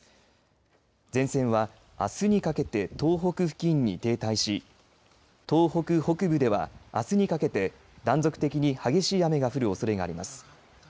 前線はあすにかけて東北付近に停滞し東北北部ではあすにかけて断続的に激しい雨が降るおそれがあります。